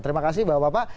terima kasih bapak bapak